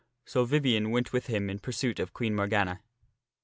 So Vivien went with him in pursuit of Queen Morgana.